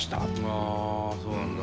ああそうなんだ。